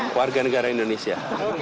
keluarga negara indonesia